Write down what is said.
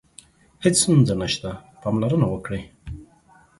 هیڅ ستونزه نشته، پاملرنه وکړئ.